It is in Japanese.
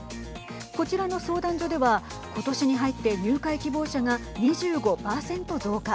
こちらの相談所では今年に入って入会希望者が２５％増加。